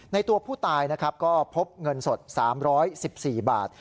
ในตัวผู้ตายก็พบเงินสด๓๑๔บาท